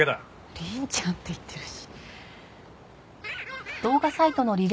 「凛ちゃん」って言ってるし。